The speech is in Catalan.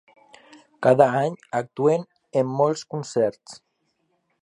Cada any actuen en molts concerts.